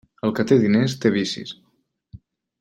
El que té diners, té vicis.